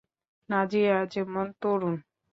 নাজিয়া যেমন তরুন?